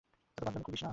এত বাঁদড়ামি করিস না!